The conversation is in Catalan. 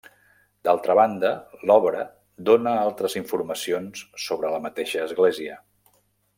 D'altra banda, l'obra dóna altres informacions sobre la mateixa església.